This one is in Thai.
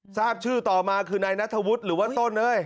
ทราบชื่อต่อมาคือนายนัทธวุฒิหรือว่าต้นเอ้ย